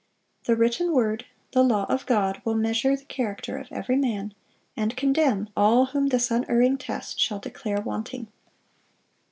The written word, the law of God, will measure the character of every man, and condemn all whom this unerring test shall declare wanting.